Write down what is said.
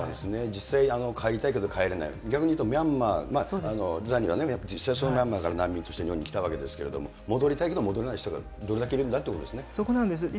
実際、帰りたいけど帰れない、逆に言うとミャンマー、ザニーは実際、そのミャンマーから難民として日本に来たわけですけれども、戻りたいけど戻れない人がどれだけいるんだということですね。